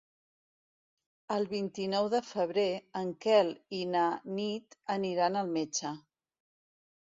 El vint-i-nou de febrer en Quel i na Nit aniran al metge.